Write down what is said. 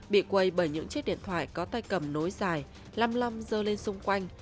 bị quay bởi những chiếc điện thoại có tay cầm nối dài lăm lăm dơ lên xung quanh